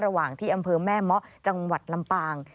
ระหว่างที่อำเภอแม่เมาะจังหวัดลำปาง